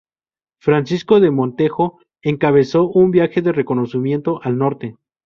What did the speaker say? Francisco de Montejo encabezó un viaje de reconocimiento al norte.